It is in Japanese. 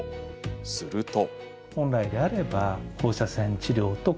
すると。